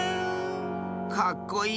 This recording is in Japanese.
かっこいい。